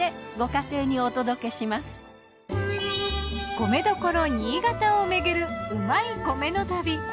米どころ新潟をめぐる旨い米の旅。